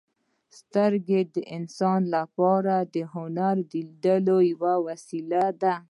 • سترګې د انسان لپاره د هنر د لیدلو یوه وسیله ده.